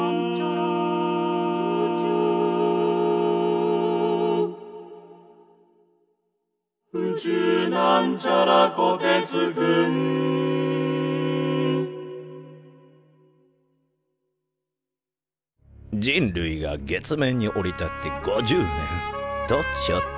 「宇宙」人類が月面に降り立って５０年！とちょっと。